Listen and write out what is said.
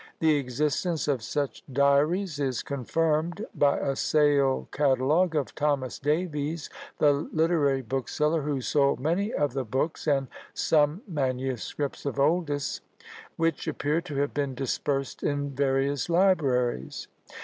The existence of such diaries is confirmed by a sale catalogue of Thomas Davies, the literary bookseller, who sold many of the books and some manuscripts of Oldys, which appear to have been dispersed in various libraries.